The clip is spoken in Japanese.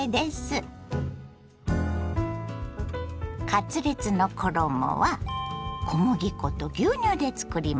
カツレツの衣は小麦粉と牛乳でつくります。